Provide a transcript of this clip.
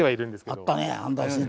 あったね